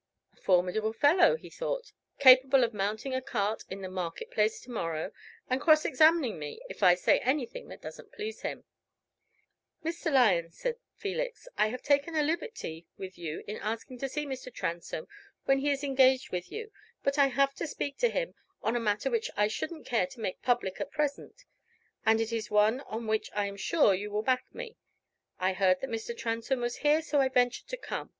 "A formidable fellow," he thought, "capable of mounting a cart in the market place to morrow and cross examining me, if I say anything that doesn't please him." "Mr. Lyon," said Felix, "I have taken a liberty with you in asking to see Mr. Transome when he is engaged with you. But I have to speak to him on a matter which I shouldn't care to make public at present, and it is one on which I am sure you will back me. I heard that Mr. Transome was here, so I ventured to come.